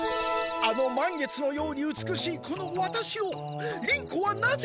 あの満月のように美しいこのワタシを輪子はなぜ？